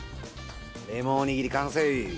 レモンおにぎり完成。